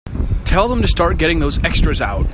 Tell them to start getting those extras out.